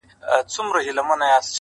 يو کال وروسته کلي بدل سوی-